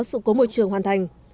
sự cố môi trường hoàn thành